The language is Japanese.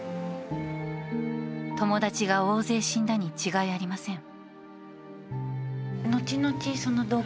友達が大勢死んだに違いありません。